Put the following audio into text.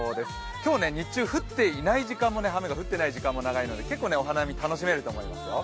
今日、日中、雨が降っていない時間も長いので結構お花見楽しめると思いますよ。